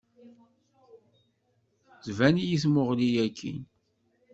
Tban-iyi tmuɣli akkin.